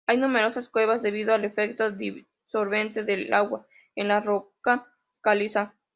Hay numerosas cuevas, debido al efecto disolvente del agua en la roca caliza.